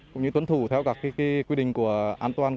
cũng như tuân thủ theo các quy định của an toàn